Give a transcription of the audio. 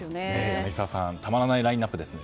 柳澤さんたまらないラインアップですね。